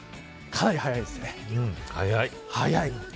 かなり早いですね。